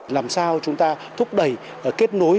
làm sao chúng ta thúc đẩy kết nối